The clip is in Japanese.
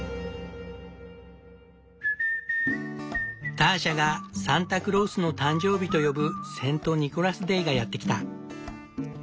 ターシャが「サンタクロースの誕生日」と呼ぶセント・ニコラスデーがやって来た。